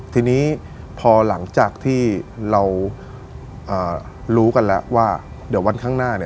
ทีนี้พอหลังจากที่เรารู้กันแล้วว่าเดี๋ยววันข้างหน้า